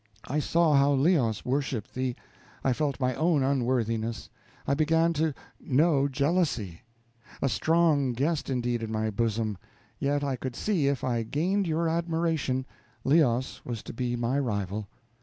I saw how Leos worshipped thee. I felt my own unworthiness. I began to know jealousy a strong guest, indeed, in my bosom yet I could see if I gained your admiration Leos was to be my rival.